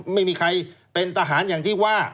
ไม่มีใครเป็นทหารอย่างที่ว่า